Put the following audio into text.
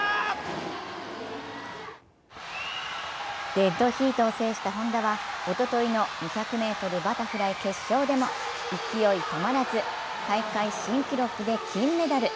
デッドヒートを制した本多はおとといの２００ｍバタフライ決勝でも勢い止まらず、大会新記録で金メダル。